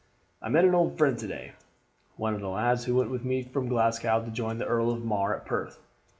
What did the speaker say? I met an old friend today, one of the lads who went with me from Glasgow to join the Earl of Mar at Perth.